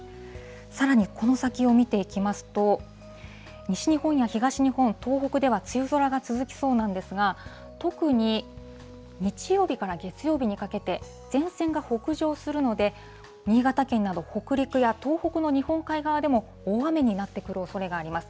さらにこの先を見ていきますと、西日本や東日本、東北では梅雨空が続きそうなんですが、特に日曜日から月曜日にかけて、前線が北上するので、新潟県など北陸や東北の日本海側でも、大雨になってくるおそれがあります。